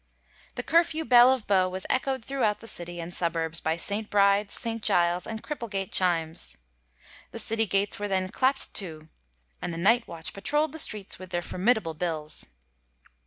The curfew bell of Bow was echoed throughout the city and subui'bs by St. Bride's, St. Giles's and Cripple gate chimes. The city gates were then clapt to, and the night watch patrolld the streets with their for midable bills.